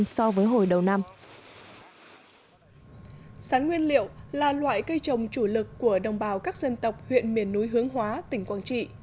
sán nguyên liệu là loại cây trồng chủ lực của đồng bào các dân tộc huyện miền núi hướng hóa tỉnh quảng trị